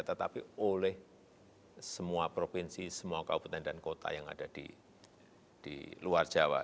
tetapi oleh semua provinsi semua kabupaten dan kota yang ada di luar jawa